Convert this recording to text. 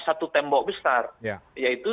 satu tembok besar yaitu